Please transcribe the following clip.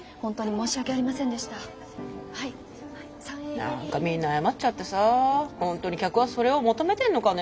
何かみんな謝っちゃってさ本当に客はそれを求めてんのかね。